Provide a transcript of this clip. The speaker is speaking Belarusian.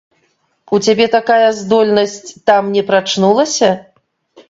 У цябе такая здольнасць там не прачнулася?